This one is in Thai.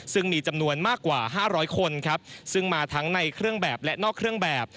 ซึ่งมีจำนวนมากกว่า๕๐๐คนครับซึ่งมาทั้งในเครื่องแบบและนอกเครื่องแบบ